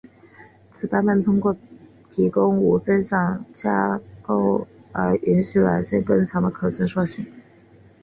此版本通过提供无分享架构而允许软件更强的可伸缩性。